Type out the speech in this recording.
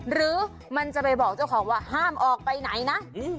หรือมันจะไปบอกเจ้าของว่าห้ามออกไปไหนนะ